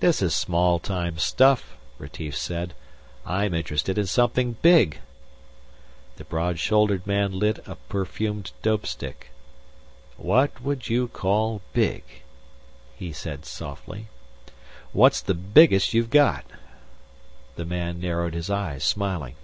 "This is small time stuff," Retief said. "I'm interested in something big." The broad shouldered man lit a perfumed dope stick. "What would you call big?" he said softly. "What's the biggest you've got?" The man narrowed his eyes, smiling.